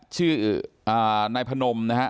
ชื่อไนพนมนะครับ